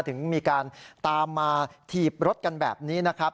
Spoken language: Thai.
ถึงมีการตามมาถีบรถกันแบบนี้นะครับ